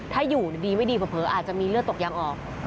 ถ้าอยู่ดีไม่ดีเผลออาจจะมีเลือดตกยางออก